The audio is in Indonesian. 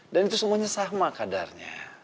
dan itu semuanya sama kadarnya